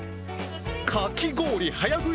かき氷早喰い